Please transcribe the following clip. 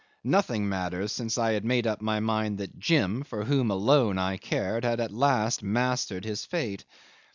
Nothing mattered, since I had made up my mind that Jim, for whom alone I cared, had at last mastered his fate.